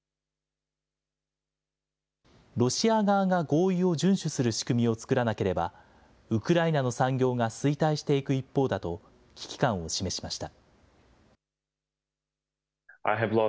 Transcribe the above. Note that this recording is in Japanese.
ロシア側が合意を順守する仕組みを作らなければ、ウクライナの産業が衰退していく一方だと危機感を示しました。